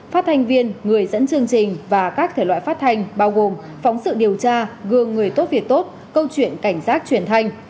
phát thanh viên người dẫn chương trình và các thể loại phát thanh bao gồm phóng sự điều tra gương người tốt việc tốt câu chuyện cảnh giác truyền thanh